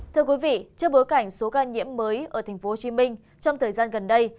thưa quý vị trước bối cảnh số ca nhiễm mới ở tp hcm trong thời gian gần đây